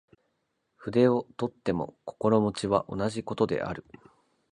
筆を執とっても心持は同じ事である。